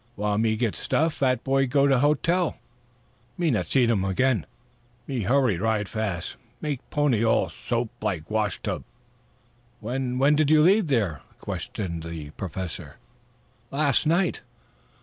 While me get stuff, fat boy go hotel. Me not see um again. Me hurry, ride fast, make pony all soap like wash tub." "When when did you leave there?" questioned the Professor. "Last night."